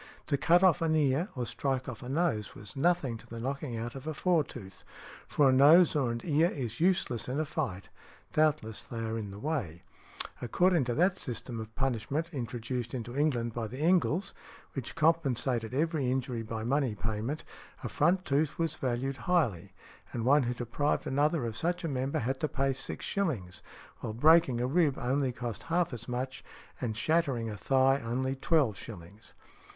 To cut off an ear or strike off a nose was nothing to the knocking out of a fore tooth, for a nose or an ear is useless in a fight—doubtless they are in the way . According to that system of punishment introduced into England by the Engles, which compensated every injury by a money payment, a front tooth was valued highly, and one who deprived another of such a member had to pay six shillings, while breaking a rib only cost half as much, and shattering a thigh only twelve shillings .